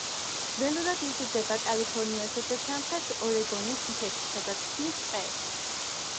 ველურად იზრდება კალიფორნიასა და სამხრეთ ორეგონის მთებში, სადაც ქმნის ტყეებს.